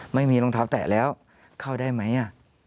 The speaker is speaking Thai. ไม่มีรองเท้าแตะแล้วเข้าได้ไหม